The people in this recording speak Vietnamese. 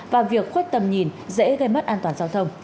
và việc khuất tầm nhìn dễ gây mất an toàn giao thông